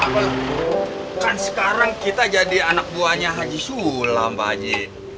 kan sekarang kita jadi anak buahnya haji sulla mbak haji